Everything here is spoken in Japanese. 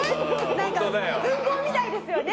なんか文豪みたいですよね。